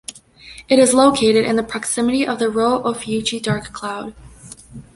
It is located in the proximity of the Rho Ophiuchi dark cloud.